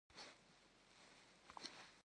Zipş pemılheş yi fız yi tabışeğuş.